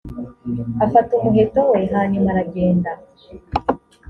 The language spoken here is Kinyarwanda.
afata umuheto we hanyuma aragenda